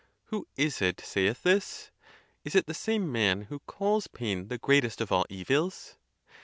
Who is it saith this? Is it the same man who calls pain the greatest of all evils?